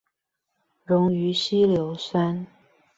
溶於稀硫酸